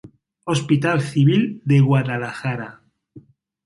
Hospital Civil de Guadalajara.